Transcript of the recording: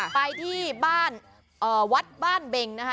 ไปที่บ้านวัดบ้านเบงนะคะ